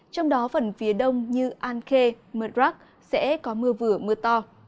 trong đó phần phía đông như an khê mật rắc sẽ có mưa vừa mưa to